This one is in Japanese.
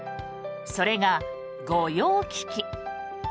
それが御用聞き。